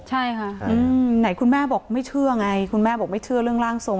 ใช่ค่ะไหนคุณแม่บอกไม่เชื่อไงคุณแม่บอกไม่เชื่อเรื่องร่างทรง